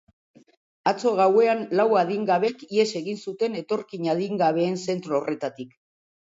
Atzo gauean lau adingabek ihes egin zuten etorkin adingabeen zentro horretatik.